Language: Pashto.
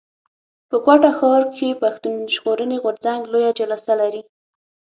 په کوټه ښار کښي پښتون ژغورني غورځنګ لويه جلسه لري.